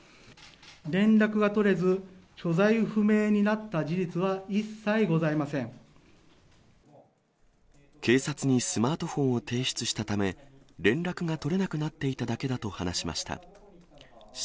連絡が取れず、所在不明になった警察にスマートフォンを提出したため、連絡が取れなくなっていただけだと話しました。